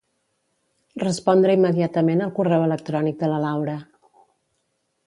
Respondre immediatament el correu electrònic de la Laura.